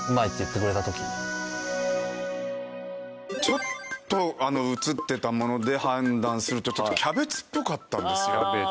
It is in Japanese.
ちょっと映ってたもので判断するとちょっとキャベツっぽかったんですよ。